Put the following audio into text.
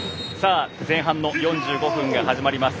前半の４５分が始まりました。